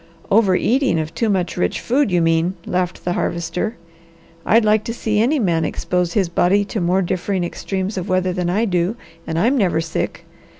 "Over eating of too much rich food, you mean," laughed the Harvester. "I'd like to see any man expose his body to more differing extremes of weather than I do, and I'm never sick.